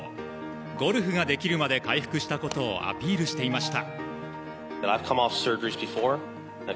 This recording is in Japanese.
ゴルフができるまで回復したことをアピールしていました。